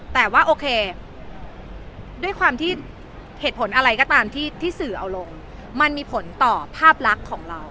แต่ว่าโอเคด้วยความที่เหตุผลอะไรก็ตามที่สื่อเอาลงมันมีผลต่อภาพลักษณ์ของเรา